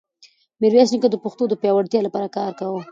میرویس نیکه د پښتنو د پیاوړتیا لپاره کار کاوه.